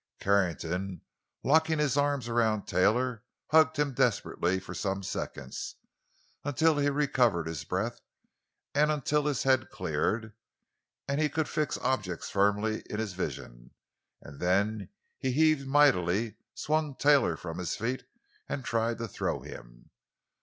Carrington, locking his arms around Taylor, hugged him desperately for some seconds—until he recovered his breath, and until his head cleared, and he could fix objects firmly in his vision; and then he heaved mightily, swung Taylor from his feet and tried to throw him.